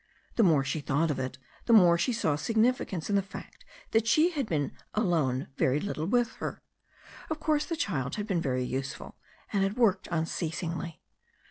The more she thought of it the more she saw significance in the fact that she had been alone very little with her. Of course the child had been very useful, and had worked unceasingly.